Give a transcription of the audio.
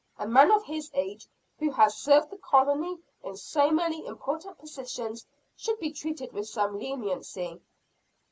"A man of his age, who has served the colony in so many important positions, should be treated with some leniency."